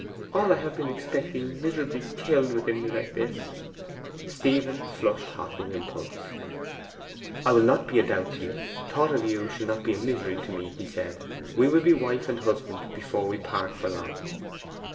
All I have been expecting miserably killed within me like this!' Stephen flushed hot with impulse. 'I will not be a doubt to you thought of you shall not be a misery to me!' he said. 'We will be wife and husband before we part for long!